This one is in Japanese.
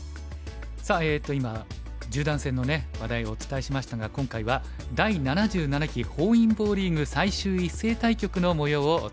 さあ今十段戦の話題をお伝えしましたが今回は第７７期本因坊リーグ最終一斉対局のもようをお伝えします。